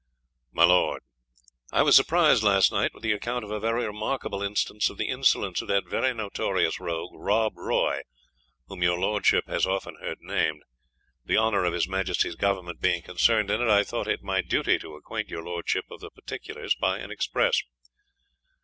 "My Lord, I was surprised last night with the account of a very remarkable instance of the insolence of that very notorious rogue Rob Roy, whom your lordship has often heard named. The honour of his Majesty's Government being concerned in it, I thought it my duty to acquaint your lordship of the particulars by an express.